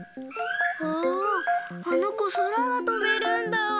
ああのこそらがとべるんだ。